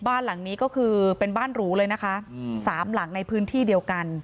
บ้านหลังนี้ก็คือเป็นบ้านหรูเลยนะคะสามหลังในพื้นที่เดียวกัน